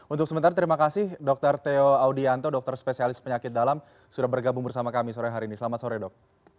untuk sementara terima kasih dokter theo audianto dokter spesialis penyakit dalam sudah bergabung bersama kami sore hari ini selamat sore dok